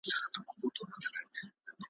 هغه ټولنه چي کتاب ته ارزښت ورکوي تل پرمختګ `